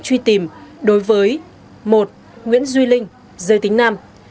truy tìm đối với một nguyễn duy linh giới tính nam